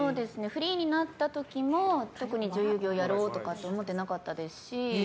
フリーになったときも特に女優業やろうとかって思ってなかったですし